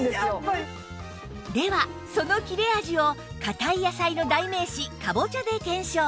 ではその切れ味を硬い野菜の代名詞カボチャで検証